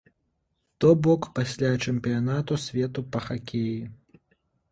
То бок, пасля чэмпіянату свету па хакеі.